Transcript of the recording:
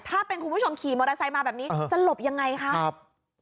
ถ้าเป็นคุณผู้ชมขี่มอเตอร์ไซค์มาแบบนี้จะหลบยังไงคะครับ